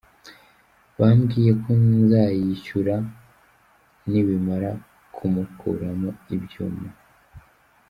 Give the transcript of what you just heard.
Bambwiye ko nzayishyura nibamara kumukuramo ibyuma.